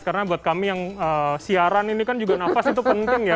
karena buat kami yang siaran ini kan juga nafas itu penting ya